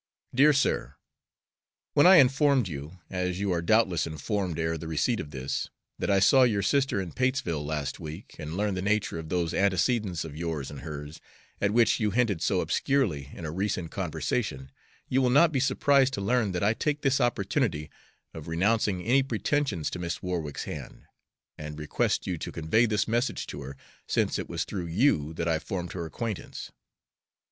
Dear Sir, When I inform you, as you are doubtless informed ere the receipt of this, that I saw your sister in Patesville last week and learned the nature of those antecedents of yours and hers at which you hinted so obscurely in a recent conversation, you will not be surprised to learn that I take this opportunity of renouncing any pretensions to Miss Warwick's hand, and request you to convey this message to her, since it was through you that I formed her acquaintance.